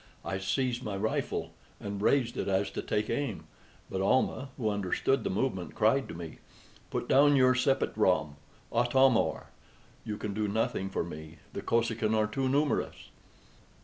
I seized my rifle, and raised it as if to take aim; but Almah, who understood the movement, cried to me: "Put down your sepet ram, Atam or! you can do nothing for me. The Kosekin are too numerous."